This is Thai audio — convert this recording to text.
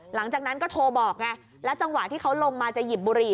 หลังจากนั้นก็โทรบอกไงแล้วจังหวะที่เขาลงมาจะหยิบบุหรี่